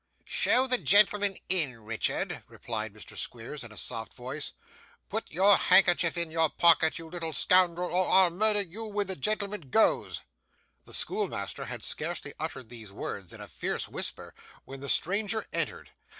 'Show the gentleman in, Richard,' replied Mr. Squeers, in a soft voice. 'Put your handkerchief in your pocket, you little scoundrel, or I'll murder you when the gentleman goes.' The schoolmaster had scarcely uttered these words in a fierce whisper, when the stranger entered.